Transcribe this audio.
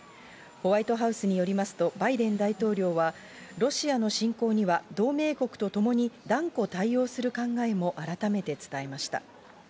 ホワイトハウスによりますとバイデン大統領は、ロシアの侵攻には同盟国とともに断固対応する考えも改めて伝えました。